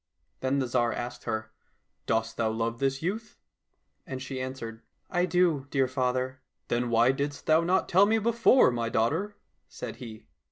Then the Tsar asked her, " Dost thou love this youth ?"— And she answered, "I do, dear father." —" Then why didst thou not tell me before, my daughter ?" said he.